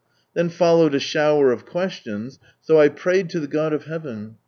Then followed a shower of questions, so 1 prayed to the God of heaven.